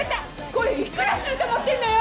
これいくらすると思ってんのよ！